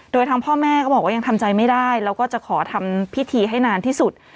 โดยทางพ่อแม่ก็บอกว่ายังทำใจไม่ได้แล้วก็จะขอทำพิธีให้นานที่สุด